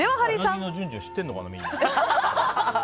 うなぎのじゅんじゅん知ってるのかな、みんな。